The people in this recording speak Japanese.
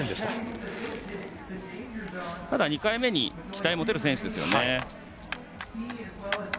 ただ、２回目に期待を持てる選手ですよね。